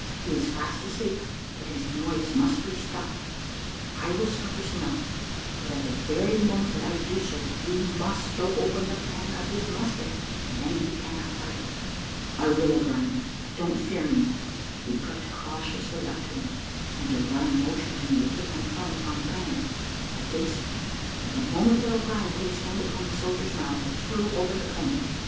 He is fast asleep, but his noise must be stopped. I will stop his mouth, but at the very moment that I do so you must throw open the pan of his musket, and then he cannot fire it." "I will, O'Brien; don't fear me." We crept cautiously up to him, and O'Brien motioning to me to put my thumb upon the pan, I did so, and the moment that O'Brien put his hand upon the soldier's mouth, I threw open the pan.